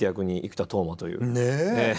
ねえ！